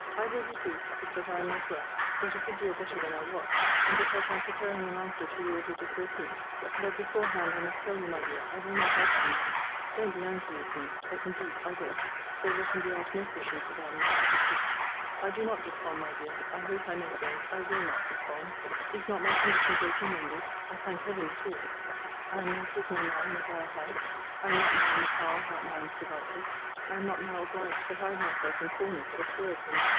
I will be brief, because I am not well; yet a good deal better than I was; and because I am preparing an answer to your's of the 13th. But, before hand, I must tell you, my dear, I will not have that man don't be angry with me. But indeed I won't. So let him be asked no questions about me, I beseech you. I do not despond, my dear. I hope I may say, I will not despond. Is not my condition greatly mended? I thank Heaven it is! I am no prisoner now in a vile house. I am not now in the power of that man's devices. I am not now obliged to hide myself in corners for fear of him.